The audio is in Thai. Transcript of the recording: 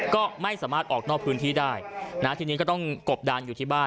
ก็ไม่สามารถออกนอกพื้นที่ได้นะทีนี้ก็ต้องกบดานอยู่ที่บ้าน